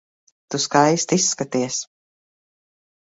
Tu skaisti izskaties.